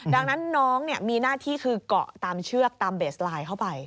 ดังนั้นน้องมีหน้าที่คือเกาะตามเชือกตามเบสไลน์เข้าไป